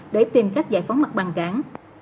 để tìm cách giải phóng mặt bằng cản